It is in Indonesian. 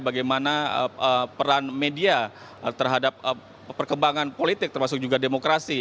bagaimana peran media terhadap perkembangan politik termasuk juga demokrasi